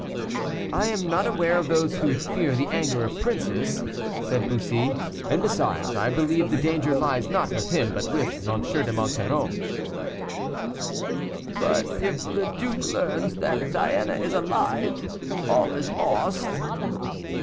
"I am not aware of those who fear the anger of princes," said Bussy; "and, besides, I believe the danger lies not with him, but with M. de Monsoreau." "But if the duke learns that Diana is alive, all is lost."